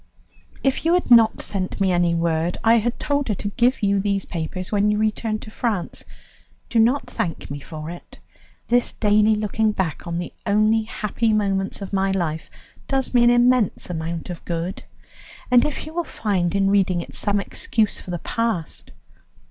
"If you had not sent me any word, I had told her to give you those papers when you returned to France. Do not thank me for it. This daily looking back on the only happy moments of my life does me an immense amount of good, and if you will find in reading it some excuse for the past.